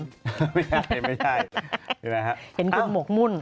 ไม่ใช่ไม่ใช่นี่แหละครับเห็นคุณหมกมุ่น